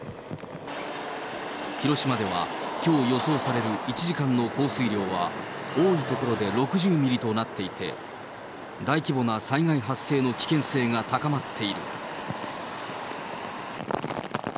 広島では、きょう予想される１時間の降水量は、多い所で６０ミリとなっていて、大規模な災害発生の危険性が高まっている。